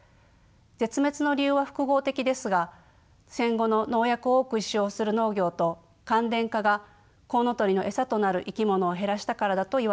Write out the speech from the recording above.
絶滅の理由は複合的ですが戦後の農薬を多く使用する農業と乾田化がコウノトリの餌となる生き物を減らしたからだといわれています。